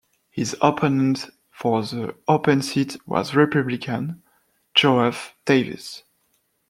His opponent for the open seat was Republican Geoff Davis.